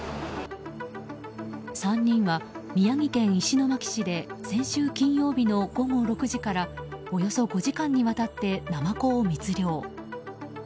３人は宮城県石巻市で先週金曜日の午後６時からおよそ５時間にわたってナマコを密漁。